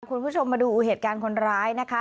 คุณผู้ชมมาดูเหตุการณ์คนร้ายนะคะ